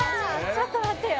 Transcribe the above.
ちょっと待ってよ